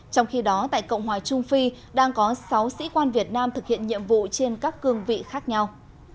trong khi đó tại cộng hòa trung phi đang có sáu sĩ quan việt nam thực hiện nhiệm vụ trên các cương vị khác nhau